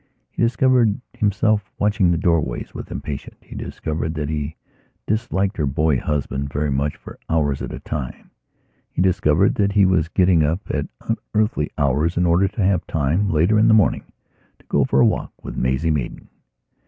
He discovered himself watching the doorways with impatience; he discovered that he disliked her boy husband very much for hours at a time. He discovered that he was getting up at unearthly hours in order to have time, later in the morning, to go for a walk with Maisie Maidan.